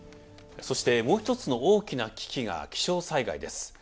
そしてもう一つの大きな危機が気象災害です。